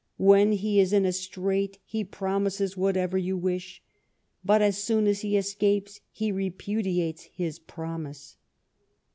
"When he is in a strait he pro mises whatever you wish, but as soon as he escapes he repudiates his promise."